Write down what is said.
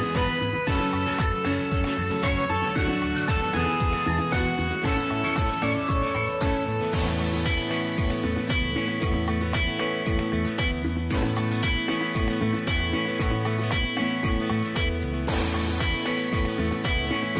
โปรดติดตามตอนต่อไป